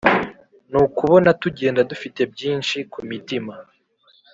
nukubona tugenda dufite byinshii ku mitima